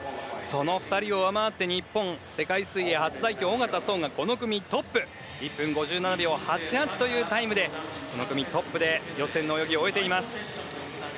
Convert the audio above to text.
その２人を上回って日本、世界水泳初代表小方颯が１分５７秒８８というタイムでこの組トップで予選の泳ぎを終えています。